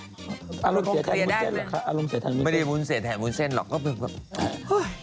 อารมณ์เสียแทนวุ้นเส้นหรือคะ